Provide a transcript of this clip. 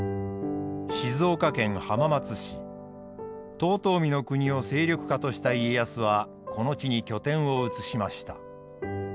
遠江国を勢力下とした家康はこの地に拠点を移しました。